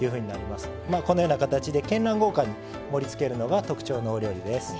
このような形でけんらん豪華に盛りつけるのが特徴のお料理です。